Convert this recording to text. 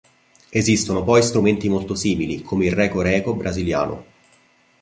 Esistono poi strumenti molto simili, come il reco-reco brasiliano.